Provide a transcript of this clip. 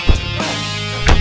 lo sudah bisa berhenti